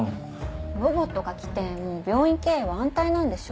ロボットが来てもう病院経営は安泰なんでしょ？